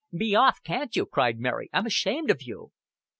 "Be off, can't you?" cried Mary. "I'm ashamed of you."